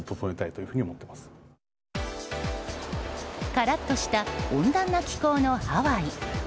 カラッとした温暖な気候のハワイ。